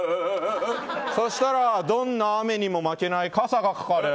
そしたらどんな雨にも負けない傘がかかる。